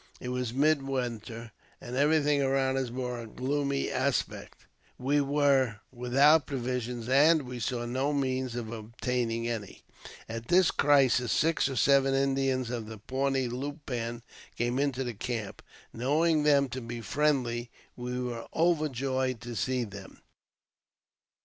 It was mid winter, and everything around us bore a gloomy aspect. We were without provisions, and we saw no means of obtaining any. At this crisis, six or seven Indians of the Pawnee Loup band came into our camp. Knowing them to be friendly, we were overjoyed to see them.